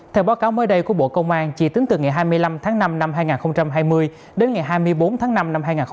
theo báo cáo mới đây của bộ công an chỉ tính từ ngày hai mươi năm tháng năm năm hai nghìn hai mươi đến ngày hai mươi bốn tháng năm năm hai nghìn hai mươi